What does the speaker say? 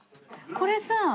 これさ